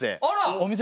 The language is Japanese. あら！